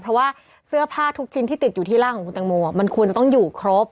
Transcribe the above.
เพราะว่าเสื้อผ้าทุกชิ้นที่ติดอยู่ที่ร่างของคุณตังโมมันควรจะต้องอยู่ครบ